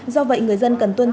do vậy người dân cần tuân thủ